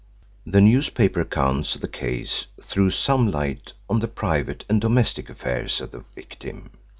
The newspaper accounts of the case threw some light on the private and domestic affairs of the victim.